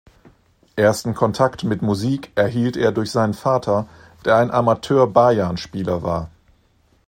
Ersten Kontakt mit Musik erhielt er durch seinen Vater, der ein Amateur-Bajan-Spieler war.